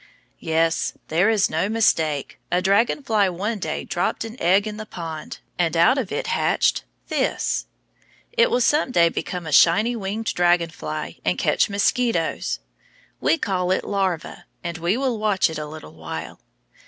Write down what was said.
Yes, there is no mistake; a dragon fly one day dropped an egg in the pond, and out of it hatched this. It will some day become a shiny winged dragon fly and catch mosquitoes. We will call it larva, and we will watch it a little while.